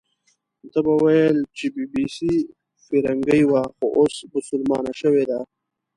ده به ویل چې بي بي سي فیرنګۍ وه، خو اوس بسلمانه شوې ده.